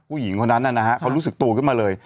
ผู้หญิงคนนั้นนะฮะเขารู้สึกตัวขึ้นมาเลย